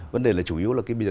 vấn đề là chủ yếu là